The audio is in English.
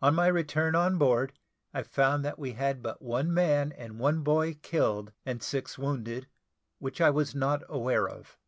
On my return on board, I found that we had but one man and one boy killed and six wounded, which I was not aware of.